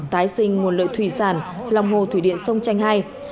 tái sinh nguồn lợi thủy sản lòng hồ thủy điện sông chanh ii